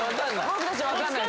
僕たち分かんないです